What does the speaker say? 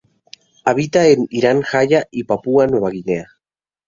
Habita en Irian Jaya y Papúa Nueva Guinea.